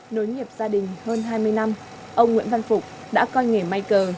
nối nghiệp gia đình hơn hai mươi năm ông nguyễn văn phục đã coi nghề may cờ